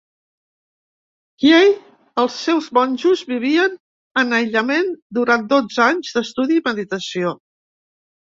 Hiei, els seus monjos vivien en aïllament durant dotze anys d'estudi i meditació.